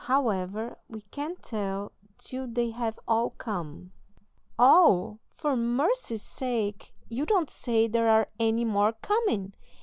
However, we can't tell till they have all come." "All! for mercy's sake, you don't say there are any more coming!"